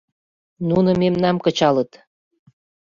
Нуно мемнам кычалыт.